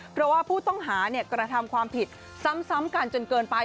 เพราะว่าผู้ต้องหากระทำความผิดซ้ำกันจนเกินไป